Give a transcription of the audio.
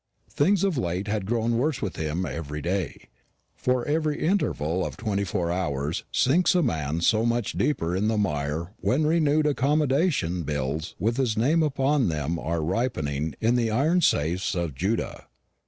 Things had of late grown worse with him every day; for every interval of twenty four hours sinks a man so much the deeper in the mire when renewed accommodation bills with his name upon them are ripening in the iron safes of Judah.